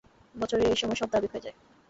বছরের এই সময়ে সব ধার্মিক হয়ে যায়।